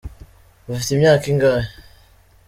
Ufite imyaka ingahe?